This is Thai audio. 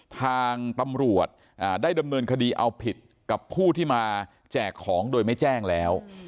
ทางตำรวจได้ดำเนินคดีเอาผิดกับผู้ที่มาแจกของโดยไม่แจ้งแล้ว